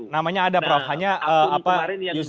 namanya ada prof hanya username nya saja